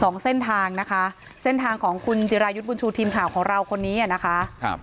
สองเส้นทางนะคะเส้นทางของคุณจิรายุทธ์บุญชูทีมข่าวของเราคนนี้อ่ะนะคะครับ